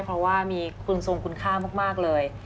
เพราะว่ามีคุณทรงคุณค่ามากเลย